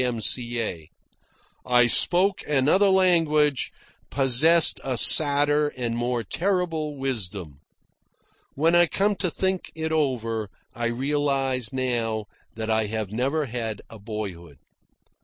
M.C.A. I spoke another language, possessed a sadder and more terrible wisdom. (When I come to think it over, I realise now that I have never had a boyhood.)